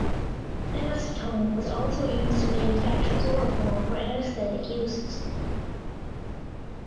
Acetone was also used to manufacture chloroform for anesthetic uses.